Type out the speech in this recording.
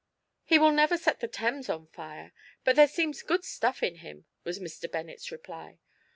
"He will never set the Thames on fire, but there seems good stuff in him," was Mr. Bennet's reply.